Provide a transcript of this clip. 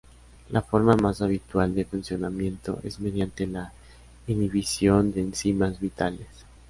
La forma más habitual de funcionamiento es mediante la inhibición de enzimas vitales.